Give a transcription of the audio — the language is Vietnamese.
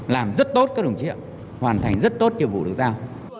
làm rất tốt các đồng chí ạ hoàn thành rất tốt chiều vụ được sao